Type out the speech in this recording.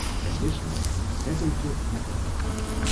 Канечне, гэта ўсё не так.